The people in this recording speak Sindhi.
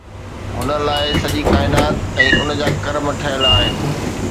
هن لاءِ سڄي ڪائنات ۽ ان جا ڪرم ٺهيل آهن